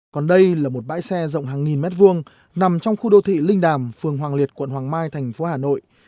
còn đây là một bãi xe rộng hàng nghìn mét vuông nằm trong khu đô thị linh đàm phường hoàng liệt quận hoàng mai thành phố hà nội